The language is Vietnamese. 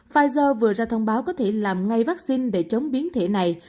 pfizer vừa ra thông báo có thể làm ngay vaccine để chống biến thể này